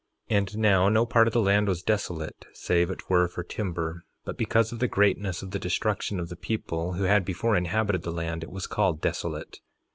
3:6 And now no part of the land was desolate, save it were for timber; but because of the greatness of the destruction of the people who had before inhabited the land it was called desolate.